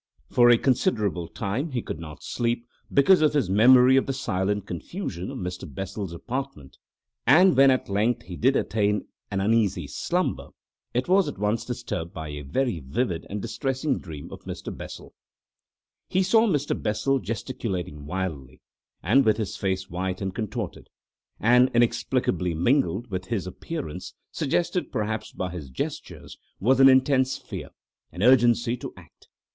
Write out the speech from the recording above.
For a considerable time he could not sleep because of his memory of the silent confusion of Mr. Bessel's apartment, and when at length he did attain an uneasy slumber it was at once disturbed by a very vivid and distressing dream of Mr. Bessel. He saw Mr. Bessel gesticulating wildly, and with his face white and contorted. And, inexplicably mingled with his appearance, suggested perhaps by his gestures, was an intense fear, an urgency to act.